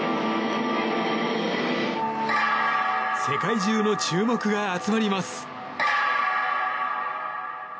世界中の注目が集まります。